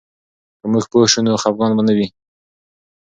که موږ پوه سو، نو خفګان به نه وي.